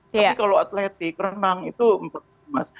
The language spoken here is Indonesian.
tapi kalau atletik renang itu empat puluh an